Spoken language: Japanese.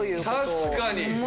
確かに！